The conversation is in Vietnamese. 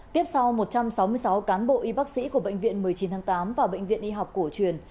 tiếp sau một trăm sáu mươi sáu cán bộ y bác sĩ của bệnh viện một mươi chín tháng tám và bệnh viện y học cổ truyền